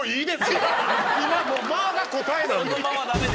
今もう間が答えなんで。